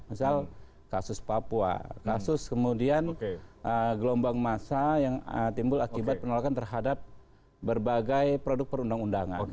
misal kasus papua kasus kemudian gelombang massa yang timbul akibat penolakan terhadap berbagai produk perundang undangan